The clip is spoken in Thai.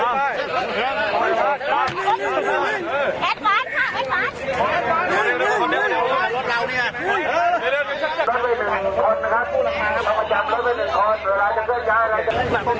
เพื่อทำให้พวกมันสามารถสามารถขยับ